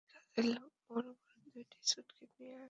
একটি কাজের লোক বড়-বড় দুটি সুটকেস নিয়ে নামছে।